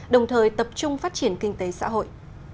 đồng thời tập trung phát triển kinh tế xã hội